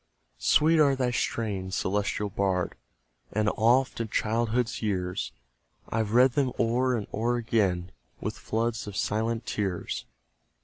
Sweet are thy strains, celestial Bard; And oft, in childhood's years, I've read them o'er and o'er again, With floods of silent tears.